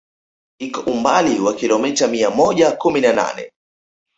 Iko umbali wa kilomita mia moja kumi na nane